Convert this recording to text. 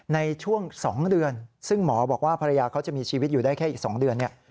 ในช่วง๒เดือนซึ่งหมอบอกว่าภรรยาเขาจะมีชีวิตอยู่ได้แค่อีก๒เดือนเนี่ย